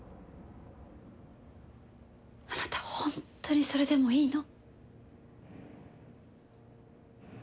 あなた本当にそれでもいいの？